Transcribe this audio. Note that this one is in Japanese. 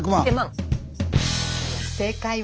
正解は。